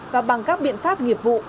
và bằng các biện pháp nghiệp vụ